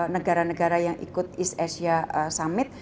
negara negara yang ikut east asia summit